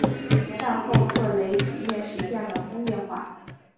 战后特雷比涅实现了工业化。